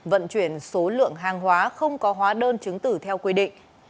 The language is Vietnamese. vận chuyển số lượng hàng hóa không có hóa đơn chứng tử theo quy định